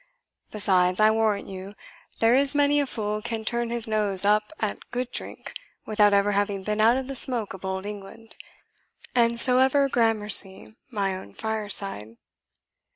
Besides, I warrant you, there is many a fool can turn his nose up at good drink without ever having been out of the smoke of Old England; and so ever gramercy mine own fireside."